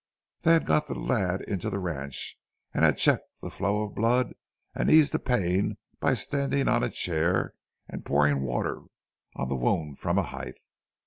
"They had got the lad into the ranch, had checked the flow of blood and eased the pain by standing on a chair and pouring water on the wound from a height.